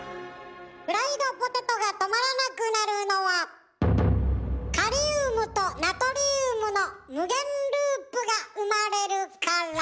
フライドポテトが止まらなくなるのはカリウムとナトリウムの無限ループが生まれるから。